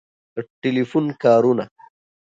د ټیلیفون کارونه